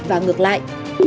và ngược lại